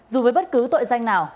dù với bất cứ tội danh nào